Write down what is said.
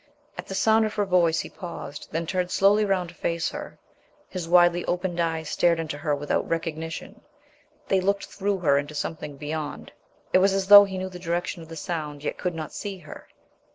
At the sound of her voice he paused, then turned slowly round to face her. His widely opened eyes stared into her own without recognition; they looked through her into something beyond; it was as though he knew the direction of the sound, yet cold not see her.